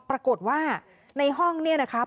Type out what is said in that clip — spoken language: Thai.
ปรากฏว่าในห้องเนี่ยนะครับ